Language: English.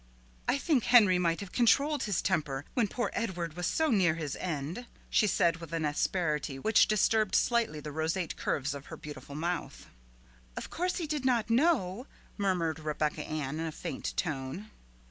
"I think Henry might have controlled his temper, when poor Edward was so near his end," she said with an asperity which disturbed slightly the roseate curves of her beautiful mouth. "Of course he did not know," murmured Rebecca Ann in a faint tone.